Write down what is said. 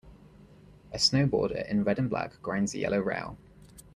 A snowboarder in red and black grinds a yellow rail.